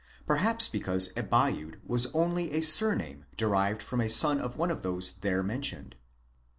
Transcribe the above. perhaps because Abiud was only a surname derived from a son of one of those there mentioned.